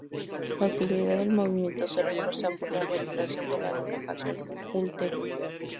La utilidad del movimiento se refuerza por la realización de la relajación ulterior.